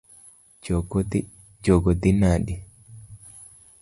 Chogo dhi nade?